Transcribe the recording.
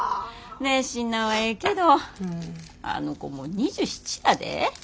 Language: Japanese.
熱心なんはええけどあの子もう２７やで？